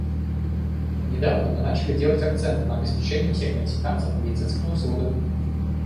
Недавно мы начали делать акцент на обеспечении всех мексиканцев медицинскими услугами.